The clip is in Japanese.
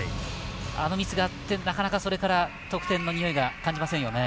あのミスがあって、なかなかそれから得点のにおいが感じませんよね。